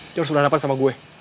dia harus berhadapan sama gue